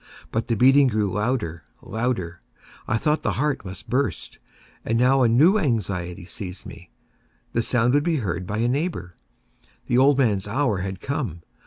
But the beating grew louder, louder! I thought the heart must burst. And now a new anxiety seized me—the sound would be heard by a neighbour! The old man's hour had come!